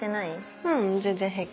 ううん全然平気。